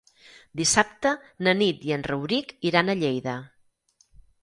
Dissabte na Nit i en Rauric iran a Lleida.